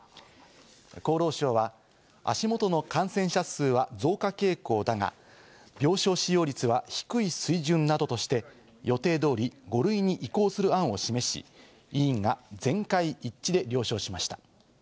厚労省は足下の感染者数は増加傾向だが、病床使用率は低い水準などとして、予定通り５類に移行する案を示し、委員が全会一致で了承しました。